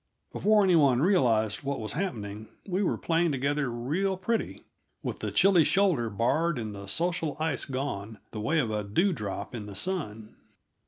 Before any one realized what was happening, we were playing together real pretty, with the chilly shoulder barred and the social ice gone the way of a dew drop in the sun.